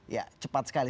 ya cepat sekali